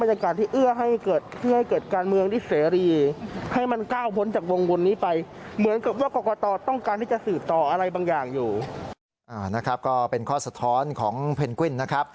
แล้วเขาบอกว่าการใช้ถุงกลุ่มหัวแบบนี้